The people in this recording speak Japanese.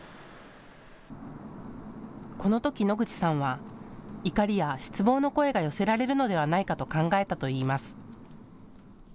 このとき野口さんは怒りや失望の声が寄せられるのではないかと考えたといいます。